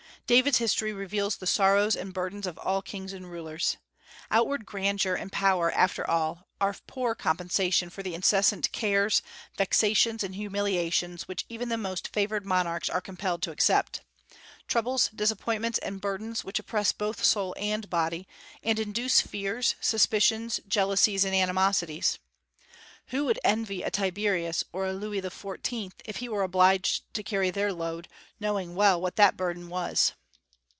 David's history reveals the sorrows and burdens of all kings and rulers. Outward grandeur and power, after all, are a poor compensation for the incessant cares, vexations, and humiliations which even the most favored monarchs are compelled to accept, troubles, disappointments, and burdens which oppress both soul and body, and induce fears, suspicions, jealousies, and animosities. Who would envy a Tiberius or a Louis XIV. if he were obliged to carry their load, knowing well what that burden was?